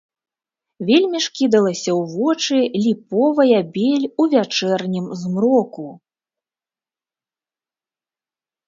Вельмі ж кідалася ў вочы ліповая бель у вячэрнім змроку!